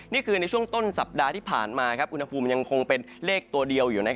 นี่คือในช่วงต้นสัปดาห์ที่ผ่านมาอุณหภูมิยังคงเป็นเลขตัวเดียวอยู่